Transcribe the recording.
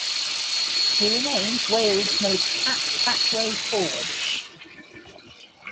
He remains Wales most capped back row forward.